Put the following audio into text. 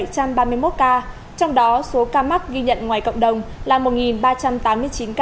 hai bảy trăm ba mươi một ca trong đó số ca mắc ghi nhận ngoài cộng đồng là một ba trăm tám mươi chín ca